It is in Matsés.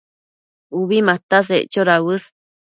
Ubi mataseccho dauës